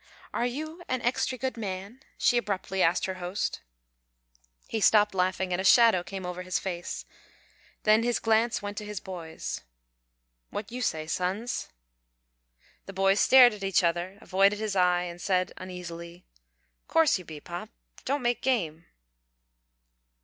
"Are you an extry good man?" she abruptly asked her host. He stopped laughing, and a shadow came over his face. Then his glance went to his boys. "What you say, sons?" The boys stared at each other, avoided his eye, and said, uneasily, "Course you be, pop don't make game."